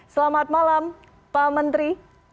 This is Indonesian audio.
selamat malam pak menteri